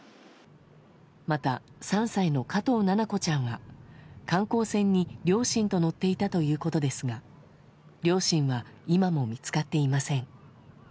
また、３歳の加藤七菜子ちゃんは観光船に両親と乗っていたということですが両親は今も見つかっていません。